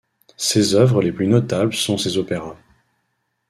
Ses œuvres les plus notables sont ses opéras.